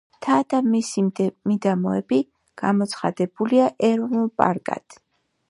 მთა და მისი მიდამოები გამოცხადებულია ეროვნულ პარკად.